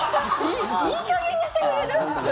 いい加減にしてくれる！？